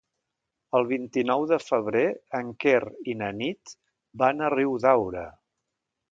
El vint-i-nou de febrer en Quer i na Nit van a Riudaura.